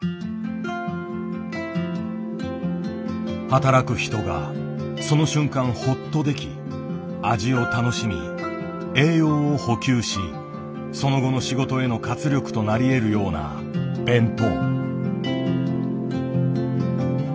働く人がその瞬間ほっとでき味を楽しみ栄養を補給しその後の仕事への活力となりえるような弁当。